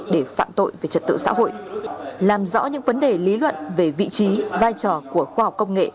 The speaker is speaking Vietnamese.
để phạm tội về trật tự xã hội làm rõ những vấn đề lý luận về vị trí vai trò của khoa học công nghệ